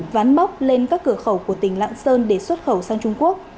ván bóc lên các cửa khẩu của tỉnh lạng sơn để xuất khẩu sang trung quốc